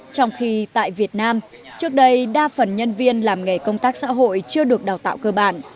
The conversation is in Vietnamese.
trong khi tại việt nam trước đây đa phần nhân viên làm nghề công tác xã hội chưa được đào tạo cơ bản